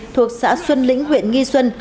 thuộc xã xuân lĩnh huyện nghi xuân